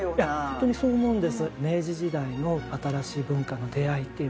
本当にそう思うんです。